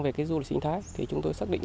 về cái du lịch sinh thái thì chúng tôi xác định